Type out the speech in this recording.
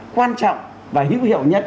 quan trọng và hữu hiệu nhất